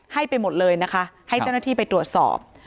ให้ไปหมดเลยนะคะให้เจ้าหน้าที่ไปตรวจสอบ